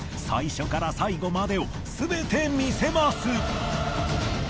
最初から最後までをすべて見せます！